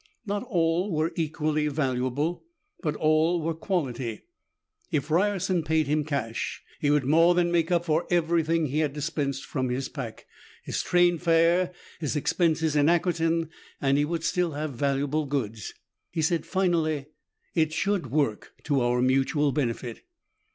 Not all were equally valuable, but all were quality. If Ryerson paid him cash, he would more than make up for everything he had dispensed from his pack, his train fare, his expenses in Ackerton, and he would still have valuable goods. He said finally, "It should work to our mutual benefit."